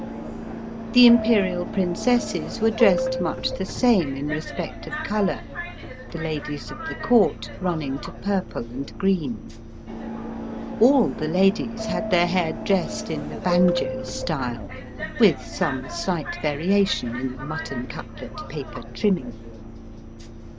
The Imperial princesses were dressed much the same in respect of colour, the ladies of the Court running to purple and green. All the ladies had their hair dressed in the banjo style, with some slight variation in the mutton cutlet paper trimming.